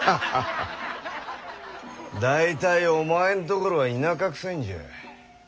大体お前んところは田舎くさいんじゃ。